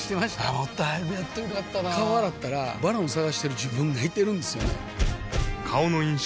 もっと早くやっといたら良かったなぁ顔洗ったら「ＶＡＲＯＮ」探してる自分がいてるんですよね